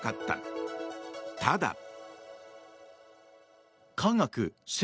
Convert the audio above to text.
ただ。